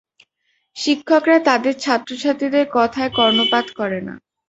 শিক্ষকরা তাদের ছাত্রছাত্রীদের কথায় কর্ণপাত করে না।